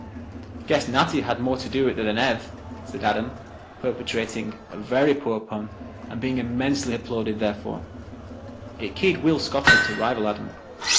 "Guess Natty had more to do with it than Ev," said Adam, perpetrating a very poor pun and being immensely applauded therefor. It keyed Will Scott up to rival Adam.